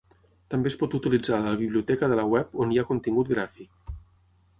També es pot utilitzar la biblioteca de la web on hi ha contingut gràfic.